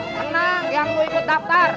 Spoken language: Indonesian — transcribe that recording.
senang yang mau ikut daftar